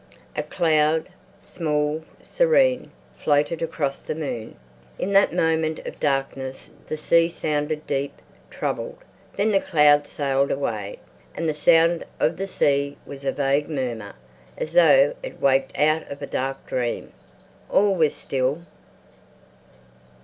A cloud, small, serene, floated across the moon. In that moment of darkness the sea sounded deep, troubled. Then the cloud sailed away, and the sound of the sea was a vague murmur, as though it waked out of a dark dream. All was still.